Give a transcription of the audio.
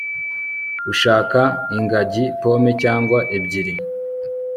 Ushaka ingagi pome cyangwa ebyiri